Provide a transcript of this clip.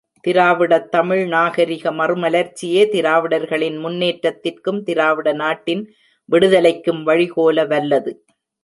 திராவிடத்தமிழ் நாகரிக மறுமலர்ச்சியே, திராவிடர்களின் முன்னேற்றத்திற்கும் திராவிட நாட்டின் விடுதலைக்கும் வழிகோல வல்லது.